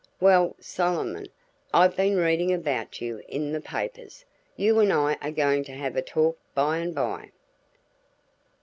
"Well, Solomon, I've been reading about you in the papers! You and I are going to have a talk by and by."